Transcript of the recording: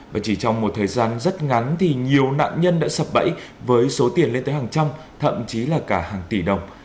và chỉ trong một thời gian rất ngắn thì nhiều nạn nhân đã sập bẫy với số tiền lên tới hàng trăm thậm chí là cả hàng tỷ đồng